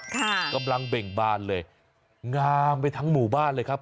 ญี่ปุ่นครับกำลังเบ่งบ้านเลยงามไปทั้งหมู่บ้านเลยครับ